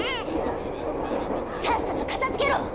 さっさと片づけろ！